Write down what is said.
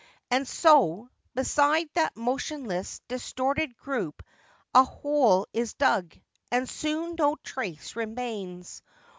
And so, beside that motionless, distorted group a hole is dug, and soon no trace remains.